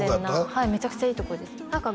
はいめちゃくちゃいいとこです